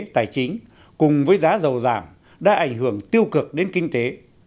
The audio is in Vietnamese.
tài chính cùng với giá dầu giảm đã ảnh hưởng tiêu cực đến kinh tế